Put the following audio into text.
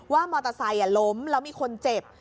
ว่ามอเตอร์ไซค์ล้มแล้วมีคนเจ็บ